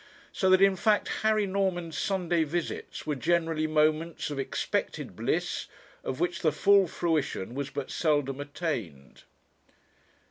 So that, in fact, Harry Norman's Sunday visits were generally moments of expected bliss of which the full fruition was but seldom attained.